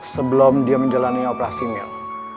sebelum dia menjalani operasi mil